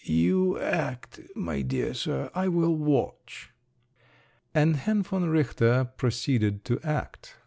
"You act, my dear sir; I will watch…." And Herr von Richter proceeded to act.